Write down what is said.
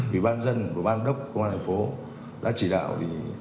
vì ban dân và ban đốc công an tp hcm đã chỉ đạo